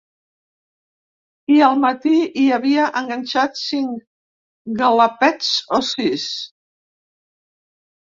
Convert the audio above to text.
I, al matí, hi havia enganxats cinc galàpets o sis.